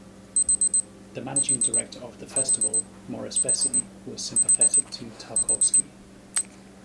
The managing director of the festival, Maurice Bessy, was sympathetic to Tarkovsky.